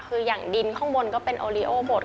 คืออย่างดินข้างบนก็เป็นโอลิโอบท